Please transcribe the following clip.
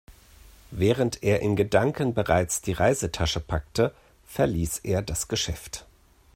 Während er in Gedanken bereits die Reisetasche packte, verließ er das Geschäft.